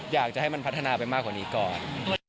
อยากจะให้มันพัฒนาไปมากกว่านี้ก่อน